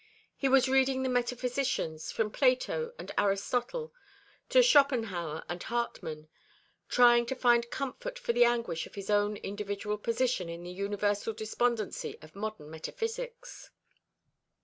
He was reading the metaphysicians, from Plato and Aristotle to Schopenhauer and Hartmann; trying to find comfort for the anguish of his own individual position in the universal despondency of modern metaphysics.